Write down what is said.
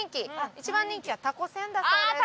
一番人気はたこせんだそうです。